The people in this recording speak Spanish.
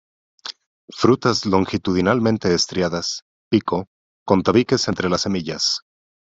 Frutas longitudinalmente estriadas, pico, con tabiques entre las semillas.